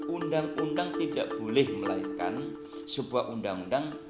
undang undang tidak boleh melahirkan sebuah undang undang